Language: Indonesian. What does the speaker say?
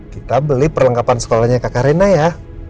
kita beli perlengkapan sekolahnya kakak rena ya